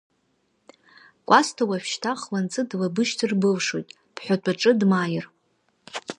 Кәасҭа уажәшьҭа хланҵы длабышьҭыр былшоит, бҳәатәаҿы дмааир.